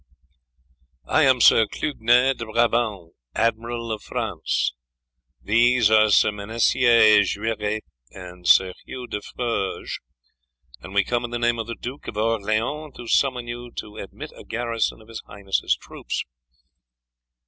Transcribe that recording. "I am Sir Clugnet de Brabant, Admiral of France. These are Sir Manessier Guieret and Sir Hugh de Fruges, and we come in the name of the Duke of Orleans to summon you to admit a garrison of his highness's troops."